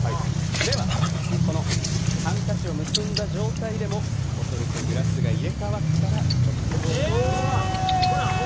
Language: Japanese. では、このハンカチを結んだ状態でもボトルとグラスが入れ代わったらちょっと不思議。